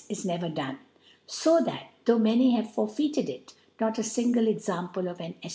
is never done , fo chat though niany have forfcired.it, not a fmgle Example of an E .